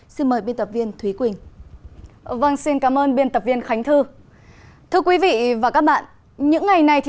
xin mời biên tập viên thúy quỳnh